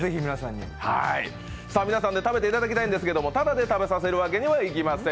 皆さんで食べていただきたいんですけど、ただで食べさせるわけにはいきません！